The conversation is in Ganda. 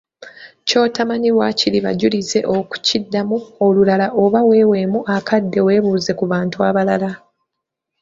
Ky’otamanyi waakiri bajulize okukiddamu olulala oba weeweemu akadde weebuuze ku bantu abalala.